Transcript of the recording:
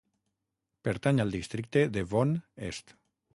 Pertany al districte Devon Est.